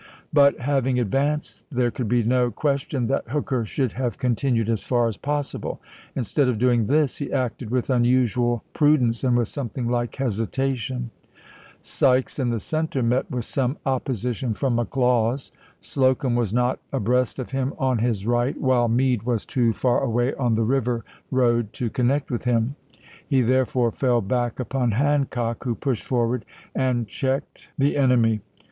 But having advanced there could be no question that Hooker should have continued as far as possible. Instead of doing this, he acted with unusual pru dence and with something like hesitation. Sykes in the center met with some opposition from McLaws. Slocum was not abreast of him on his right, while Meade was too far away on the river road to connect with him ; he therefore fell back upon Hancock, who pushed forward and checked GENERAL THOMAS J. ("STONEWALL") JACKSON. CHANCELLORSVILLE the enemy.